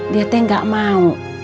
dia teh nggak mau